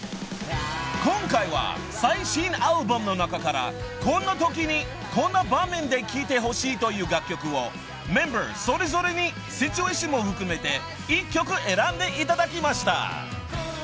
［今回は最新アルバムの中からこんなときにこんな場面で聴いてほしいという楽曲をメンバーそれぞれにシチュエーションも含めて一曲選んでいただきました］